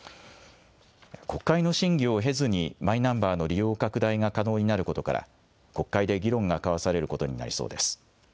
国会の審議を経ずに、マイナンバーの利用拡大が可能になることから、国会で議論が交わされることになりそうです。